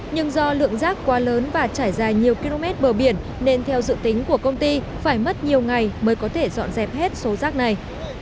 nhưng do lượng rác quá lớn và trải dài nhiều km bờ biển nên theo dự tính của công ty phải mất nhiều ngày mới có thể dọn dẹp hết số rác này